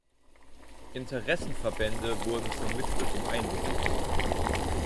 Interessenverbände wurden zur Mitwirkung einberufen.